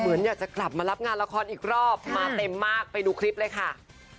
อยากจะกลับมารับงานละครอีกรอบมาเต็มมากไปดูคลิปเลยค่ะ